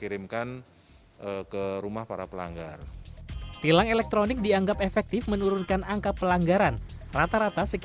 ini adalah alat yang diperlukan untuk mengembangkan jaringan fiber optik